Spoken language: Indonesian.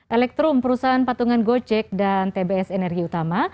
elektrum perusahaan patungan gojek dan tbs energi utama